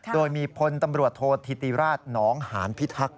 โดยมีพลตำรวจโทษธิติราชหนองหานพิทักษ